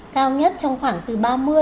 cao nhất trong khoảng từ ba mươi ba mươi bốn độ